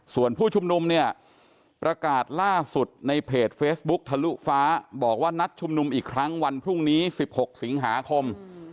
ส่วนผู้ชุมนุมเนี่ยประกาศล่าสุดในเพจเฟซบุ๊คทะลุฟ้าบอกว่านัดชุมนุมอีกครั้งวันพรุ่งนี้๑๖สิงหาคม